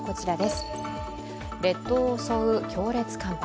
列島を襲う強烈寒波。